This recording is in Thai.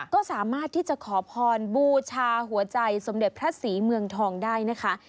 ก็สามารถที่จะขอพรบูชาหัวใจสมเด็จพระศรีเมืองทองได้นะคะ